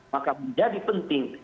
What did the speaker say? maka menjadi penting